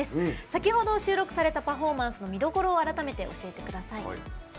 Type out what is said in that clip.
先ほど収録されたパフォーマンスの見どころを改めて教えてください。